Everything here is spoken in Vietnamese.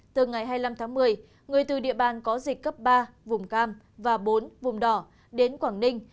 từ ngày hai mươi năm tháng một mươi người từ địa bàn có dịch cấp ba vùng cam và bốn vùng đỏ đến quảng ninh